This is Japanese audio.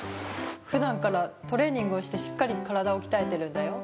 ふだんからトレーニングをしてしっかり体を鍛えてるんだよ。